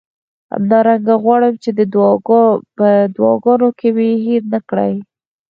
همدارنګه غواړم چې په دعاګانو کې مې هیر نه کړئ.